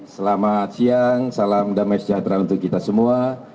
selamat siang salam damai sejahtera untuk kita semua